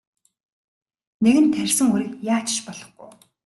Нэгэнт тарьсан үрийг яаж ч болохгүй.